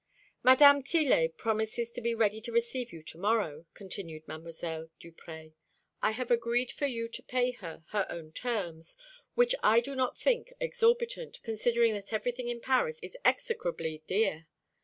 "Mdme. Tillet promises to be ready to receive you to morrow," continued Mdlle. Duprez. "I have agreed for you to pay her her own terms, which I do not think exorbitant, considering that everything in Paris is execrably dear.